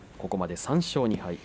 ここまで３勝２敗。